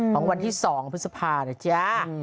ของวันที่๒พฤษภานะจ๊ะ